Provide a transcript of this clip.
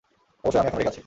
অবশ্যই আমি এখনো রেগে আছি।